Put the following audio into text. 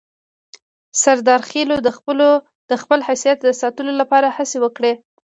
سردارخېلو د خپل حیثیت د ساتلو لپاره هڅې وکړې.